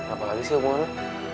apa lagi sih hubungan lu